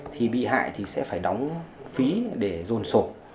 thì bị hại thì sẽ phải đóng phí để dồn sổ